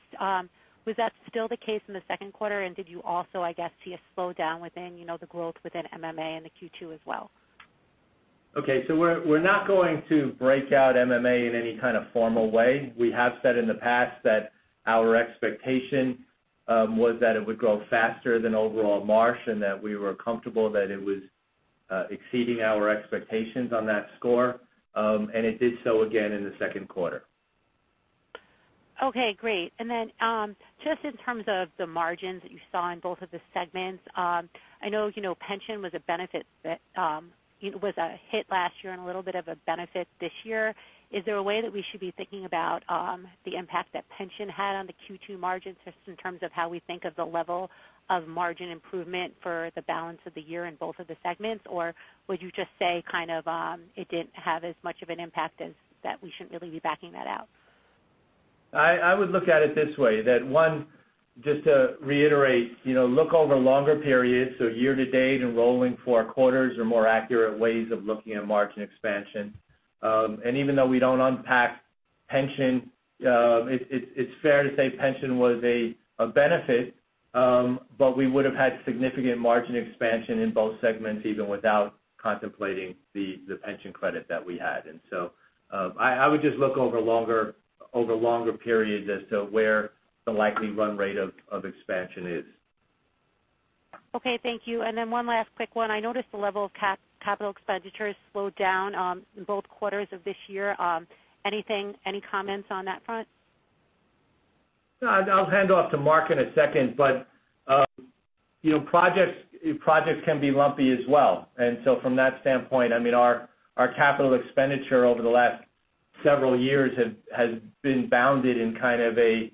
Was that still the case in the second quarter? Did you also, I guess, see a slowdown within the growth within MMA in the Q2 as well? Okay. We're not going to break out MMA in any kind of formal way. We have said in the past that our expectation was that it would grow faster than overall Marsh, and that we were comfortable that it was exceeding our expectations on that score. It did so again in the second quarter. Okay, great. Just in terms of the margins that you saw in both of the segments, I know pension was a hit last year and a little bit of a benefit this year. Is there a way that we should be thinking about the impact that pension had on the Q2 margins, just in terms of how we think of the level of margin improvement for the balance of the year in both of the segments? Would you just say it didn't have as much of an impact as that we shouldn't really be backing that out? I would look at it this way: that one, just to reiterate, look over longer periods, so year-to-date and rolling four quarters are more accurate ways of looking at margin expansion. Even though we don't unpack pension, it's fair to say pension was a benefit. We would've had significant margin expansion in both segments, even without contemplating the pension credit that we had. I would just look over longer periods as to where the likely run rate of expansion is. Okay. Thank you. One last quick one. I noticed the level of capital expenditures slowed down in both quarters of this year. Any comments on that front? No. I'll hand off to Mark in a second, projects can be lumpy as well. From that standpoint, our capital expenditure over the last several years has been bounded in kind of a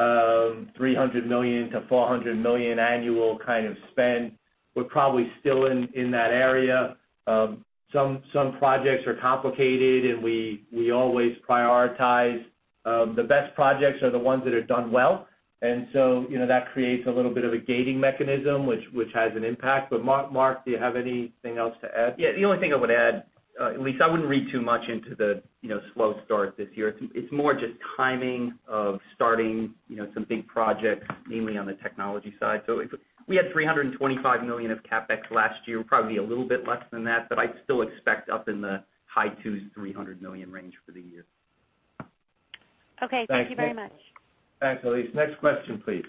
$300 million-$400 million annual kind of spend. We're probably still in that area. Some projects are complicated, and we always prioritize. The best projects are the ones that are done well. That creates a little bit of a gating mechanism, which has an impact. Mark, do you have anything else to add? Yeah. The only thing I would add, Elyse, I wouldn't read too much into the slow start this year. It's more just timing of starting some big projects, mainly on the technology side. We had $325 million of CapEx last year, probably a little bit less than that, but I'd still expect up in the high 2s, $300 million range for the year. Okay. Thank you very much. Thanks, Elyse. Next question, please.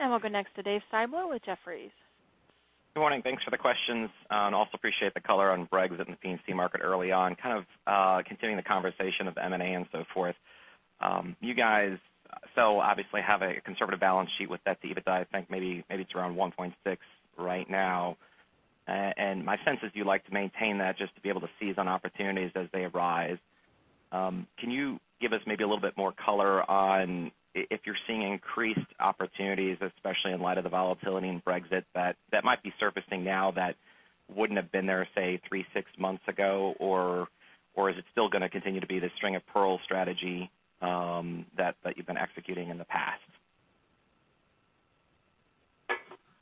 We'll go next to Dave Styblo with Jefferies. Good morning. Thanks for the questions, and also appreciate the color on Brexit and the P&C market early on. Kind of continuing the conversation of M&A and so forth. You guys still obviously have a conservative balance sheet with that EBITDA. I think maybe it's around 1.6 right now. My sense is you like to maintain that just to be able to seize on opportunities as they arise. Can you give us maybe a little bit more color on if you're seeing increased opportunities, especially in light of the volatility in Brexit that might be surfacing now that wouldn't have been there, say, three, six months ago? Is it still going to continue to be the string of pearl strategy that you've been executing in the past?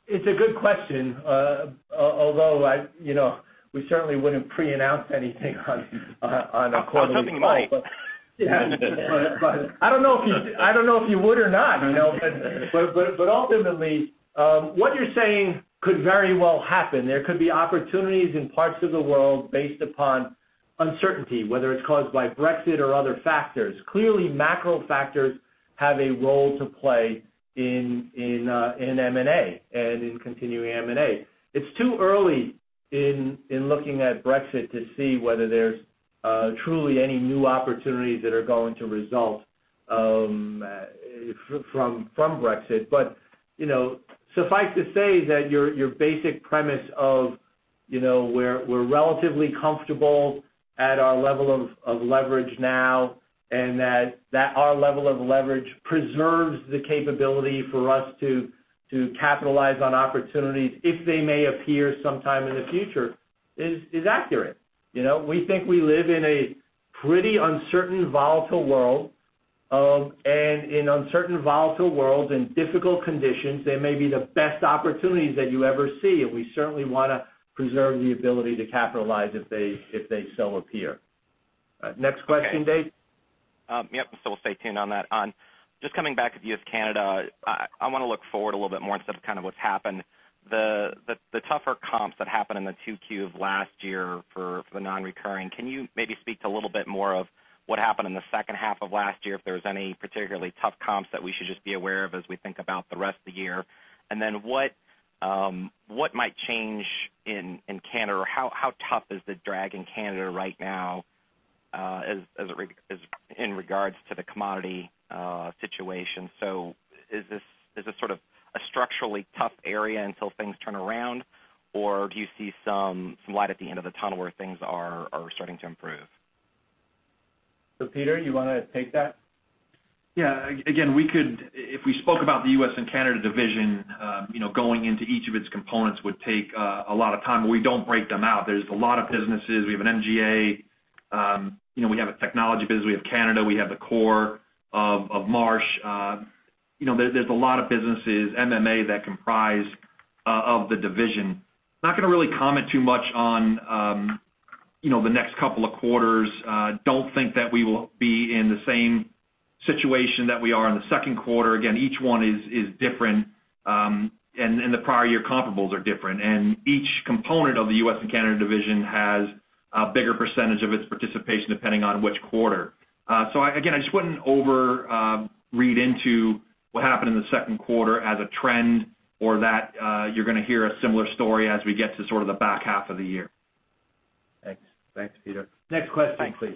It's a good question. Although we certainly wouldn't pre-announce anything on a quarterly call. I was hoping might. Yeah. I don't know if you would or not. Ultimately, what you're saying could very well happen. There could be opportunities in parts of the world based upon uncertainty, whether it's caused by Brexit or other factors. Clearly, macro factors have a role to play in M&A, and in continuing M&A. It's too early in looking at Brexit to see whether there's truly any new opportunities that are going to result from Brexit. Suffice to say that your basic premise of we're relatively comfortable at our level of leverage now, and that our level of leverage preserves the capability for us to capitalize on opportunities if they may appear sometime in the future is accurate. We think we live in a pretty uncertain, volatile world. In uncertain volatile worlds, in difficult conditions, they may be the best opportunities that you ever see, and we certainly want to preserve the ability to capitalize if they so appear. Next question, Dave. Okay. Yep. We'll stay tuned on that. Just coming back to U.S., Canada, I want to look forward a little bit more instead of what's happened. The tougher comps that happened in the 2Q of last year for the non-recurring. Can you maybe speak to a little bit more of what happened in the second half of last year, if there was any particularly tough comps that we should just be aware of as we think about the rest of the year? What might change in Canada? How tough is the drag in Canada right now in regards to the commodity situation? Is this sort of a structurally tough area until things turn around, or do you see some light at the end of the tunnel where things are starting to improve? Peter, you want to take that? Yeah. Again, if we spoke about the U.S. and Canada division, going into each of its components would take a lot of time. We don't break them out. There's a lot of businesses. We have an MGA, we have a technology business, we have Canada, we have the core of Marsh. There's a lot of businesses, MMA, that comprise of the division. Not going to really comment too much on the next couple of quarters. Don't think that we will be in the same situation that we are in the second quarter. Again, each one is different, and the prior year comparables are different. Each component of the U.S. and Canada division has a bigger percentage of its participation depending on which quarter. Again, I just wouldn't over-read into what happened in the second quarter as a trend or that you're going to hear a similar story as we get to sort of the back half of the year. Thanks, Peter. Next question, please.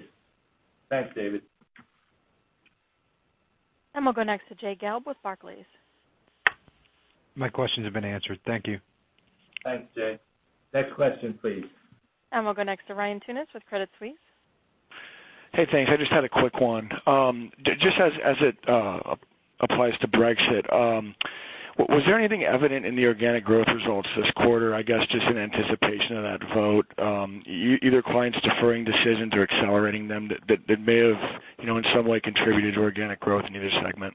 Thanks. Thanks, David. We'll go next to Jay Gelb with Barclays. My questions have been answered. Thank you. Thanks, Jay. Next question, please. We'll go next to Ryan Tunis with Credit Suisse. Hey, thanks. I just had a quick one. Just as it applies to Brexit, was there anything evident in the organic growth results this quarter, I guess, just in anticipation of that vote, either clients deferring decisions or accelerating them that may have, in some way, contributed to organic growth in either segment?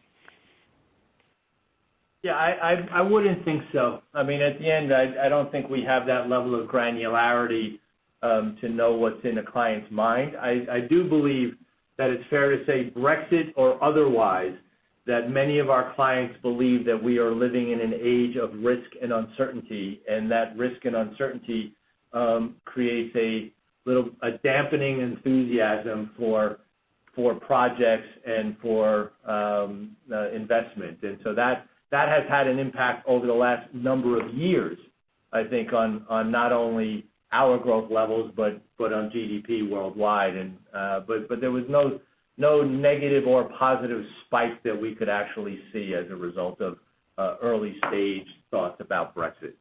I wouldn't think so. At the end, I don't think we have that level of granularity to know what's in a client's mind. I do believe that it's fair to say Brexit or otherwise, that many of our clients believe that we are living in an age of risk and uncertainty, and that risk and uncertainty creates a dampening enthusiasm for projects and for investment. So that has had an impact over the last number of years, I think, on not only our growth levels, but on GDP worldwide. There was no negative or positive spike that we could actually see as a result of early-stage thoughts about Brexit.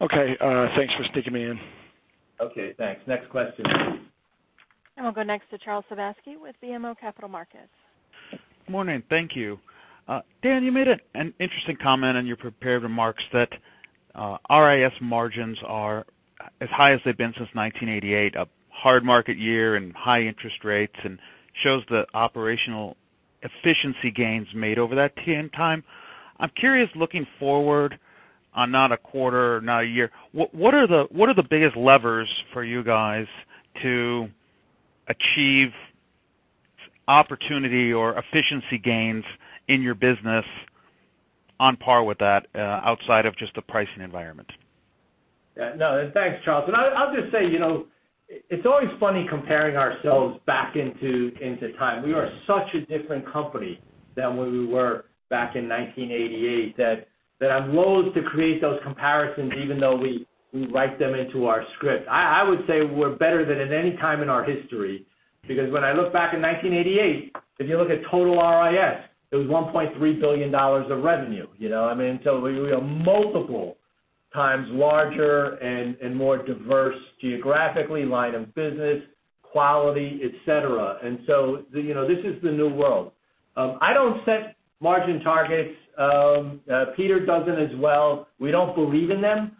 Okay, thanks for sticking me in. Okay, thanks. Next question. We'll go next to Charles Sebaski with BMO Capital Markets. Morning. Thank you. Dan, you made an interesting comment on your prepared remarks that RIS margins are as high as they've been since 1988, a hard market year and high interest rates, and shows the operational efficiency gains made over that [TN] time. I'm curious, looking forward on not a quarter, not a year, what are the biggest levers for you guys to achieve opportunity or efficiency gains in your business on par with that, outside of just the pricing environment? No, thanks, Charles. I'll just say, it's always funny comparing ourselves back into time. We are such a different company than when we were back in 1988 that I'm loathe to create those comparisons, even though we write them into our script. I would say we're better than at any time in our history, because when I look back in 1988, if you look at total RIS, it was $1.3 billion of revenue. We are multiple times larger and more diverse geographically, line of business, quality, et cetera. This is the new world. I don't set margin targets. Peter doesn't as well. We don't believe in them.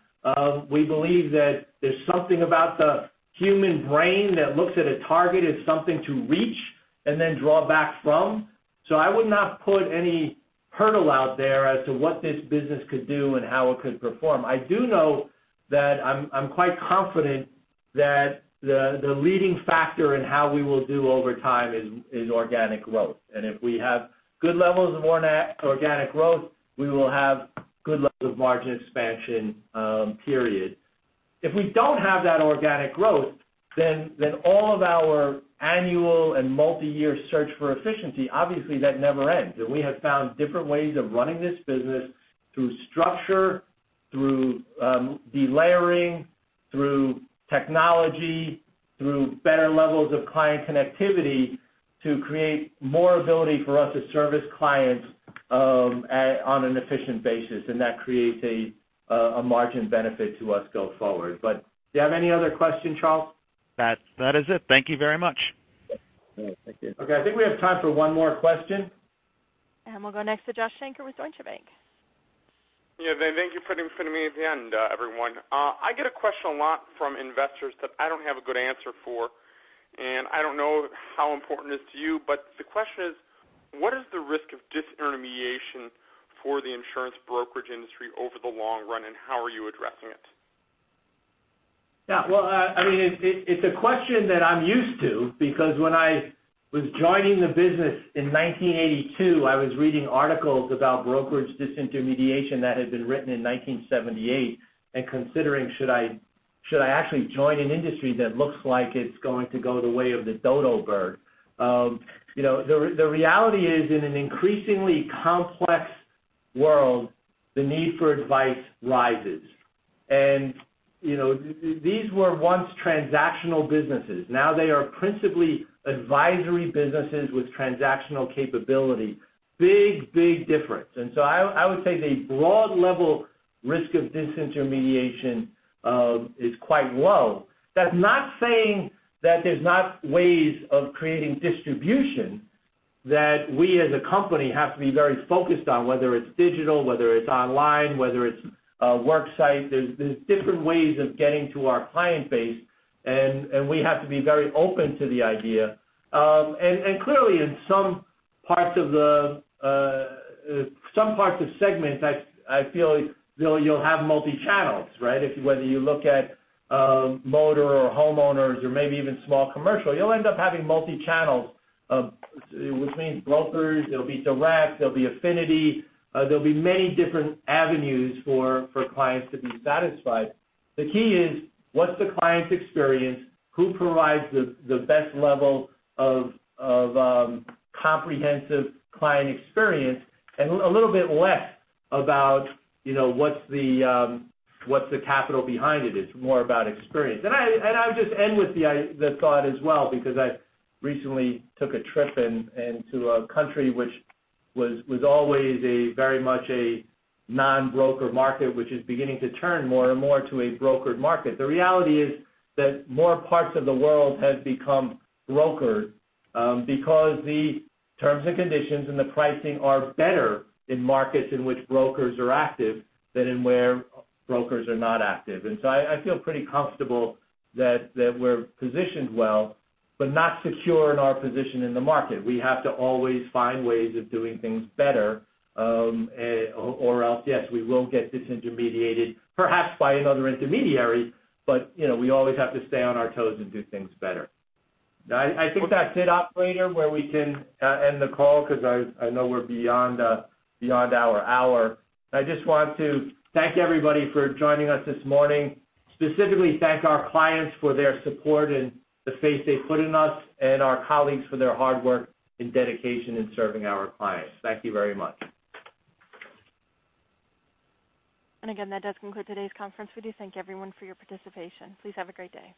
We believe that there's something about the human brain that looks at a target as something to reach and then draw back from. I would not put any hurdle out there as to what this business could do and how it could perform. I do know that I'm quite confident that the leading factor in how we will do over time is organic growth. If we have good levels of organic growth, we will have good levels of margin expansion, period. If we don't have that organic growth, all of our annual and multi-year search for efficiency, obviously that never ends. We have found different ways of running this business through structure, through de-layering, through technology, through better levels of client connectivity to create more ability for us to service clients on an efficient basis. That creates a margin benefit to us go forward. Do you have any other question, Charles? That is it. Thank you very much. All right. Thank you. Okay. I think we have time for one more question. We'll go next to Joshua Shanker with Deutsche Bank. Yeah. Thank you for putting me at the end, everyone. I get a question a lot from investors that I don't have a good answer for, and I don't know how important it is to you. The question is, what is the risk of disintermediation for the insurance brokerage industry over the long run, and how are you addressing it? Yeah. Well, it's a question that I'm used to because when I was joining the business in 1982, I was reading articles about brokerage disintermediation that had been written in 1978 and considering should I actually join an industry that looks like it's going to go the way of the dodo bird. The reality is in an increasingly complex world, the need for advice rises. These were once transactional businesses. Now they are principally advisory businesses with transactional capability. Big difference. I would say the broad level risk of disintermediation is quite low. That's not saying that there's not ways of creating distribution that we as a company have to be very focused on, whether it's digital, whether it's online, whether it's worksite. There's different ways of getting to our client base, and we have to be very open to the idea. Clearly in some parts of segments, I feel you'll have multi-channels, right? Whether you look at motor or homeowners or maybe even small commercial, you'll end up having multi-channels, which means brokers, there'll be direct, there'll be affinity, there'll be many different avenues for clients to be satisfied. The key is, what's the client's experience? Who provides the best level of comprehensive client experience and a little bit less about what's the capital behind it. It's more about experience. I would just end with the thought as well, because I recently took a trip into a country which was always a very much a non-broker market, which is beginning to turn more and more to a brokered market. The reality is that more parts of the world have become brokered because the terms and conditions and the pricing are better in markets in which brokers are active than in where brokers are not active. I feel pretty comfortable that we're positioned well, but not secure in our position in the market. We have to always find ways of doing things better, or else, yes, we will get disintermediated, perhaps by another intermediary, but we always have to stay on our toes and do things better. I think that's it, operator, where we can end the call because I know we're beyond our hour. I just want to thank everybody for joining us this morning, specifically thank our clients for their support and the faith they put in us and our colleagues for their hard work and dedication in serving our clients. Thank you very much. Again, that does conclude today's conference. We do thank everyone for your participation. Please have a great day.